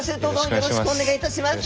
よろしくお願いします。